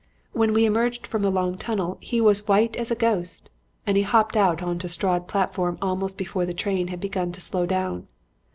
When we emerged from the long tunnel he was as white as a ghost and he hopped out on to Strood platform almost before the train had begun to slow down.